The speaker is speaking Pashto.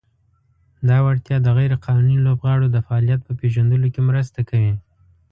دا وړتیا د "غیر قانوني لوبغاړو د فعالیت" په پېژندلو کې مرسته کوي.